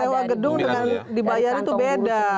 sewa gedung dengan dibayar itu beda